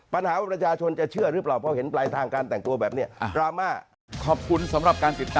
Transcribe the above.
ปัญหาว่าประชาชนจะเชื่อหรือเปล่า